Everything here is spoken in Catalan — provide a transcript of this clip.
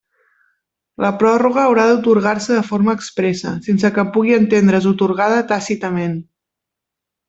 La pròrroga haurà d'atorgar-se de forma expressa, sense que pugui entendre's atorgada tàcitament.